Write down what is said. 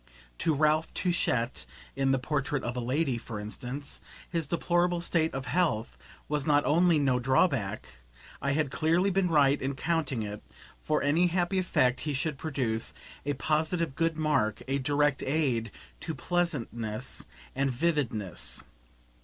To Ralph Touchett in "The Portrait of a Lady," for instance, his deplorable state of health was not only no drawback; I had clearly been right in counting it, for any happy effect he should produce, a positive good mark, a direct aid to pleasantness and vividness.